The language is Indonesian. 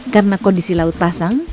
karena kondisi laut pasang